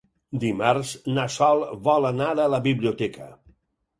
Dimarts na Sol vol anar a la biblioteca.